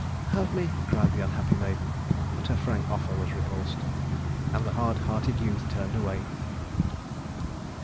"Have me," cried the unhappy maiden; but her frank offer was repulsed, and the hard hearted youth turned away.